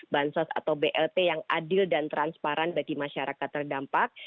bansos atau blt yang adil dan transparan bagi masyarakat terdampak